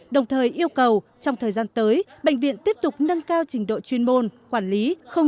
đồng thời yêu cầu trong thời gian tới bệnh viện tiếp tục nâng cao trình độ chuyên môn quản lý